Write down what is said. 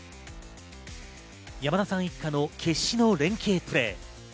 山田さん一家の決死の連係プレー。